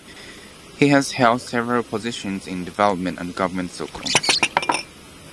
He has held several positions in development and government circles.